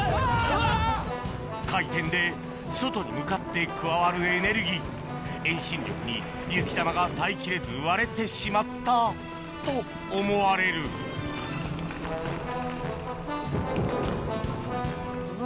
・回転で外に向かって加わるエネルギー遠心力に雪玉が耐えきれず割れてしまったと思われるうわ。